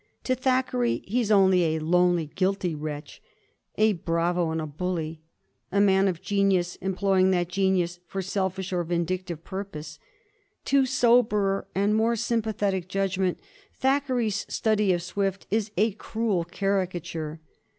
To Thackeray he is only a " lonely guilty wretch," a bravo, and a bully — a man of genius, employing that genius for selfish or vindictive purpose. To soberer and more sympathetic judgment Thackeray's study of Swift is a cruel caricature.